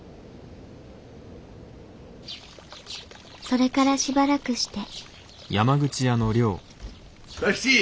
それからしばらくして佐七！